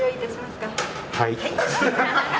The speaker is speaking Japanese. はい。